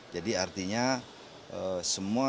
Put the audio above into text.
jadi artinya semua